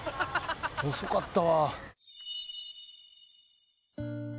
遅かったわ。